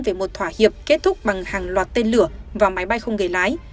về một thỏa hiệp kết thúc bằng hàng loạt tên lửa và máy bay không người lái